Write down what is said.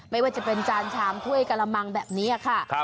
ไม่ว่าจะเป็นจานชามถ้วยกะละมังแบบนี้ค่ะ